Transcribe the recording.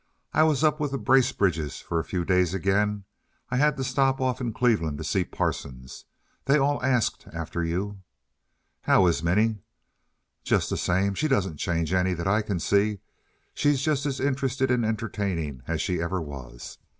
I was up with the Bracebridges for a few days again. I had to stop off in Cleveland to see Parsons. They all asked after you." "How is Minnie?" "Just the same. She doesn't change any that I can see. She's just as interested in entertaining as she ever was."